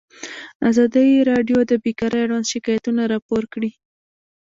ازادي راډیو د بیکاري اړوند شکایتونه راپور کړي.